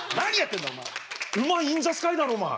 馬インザスカイだろお前。